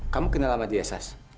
kamu kenal sama dia sas